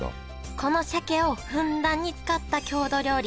この鮭をふんだんに使った郷土料理